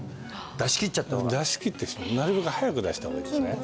出し切っちゃった方が出し切ってしまうなるべく早く出した方がいいですね